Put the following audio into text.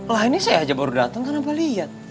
lah ini saya aja baru datang kenapa lihat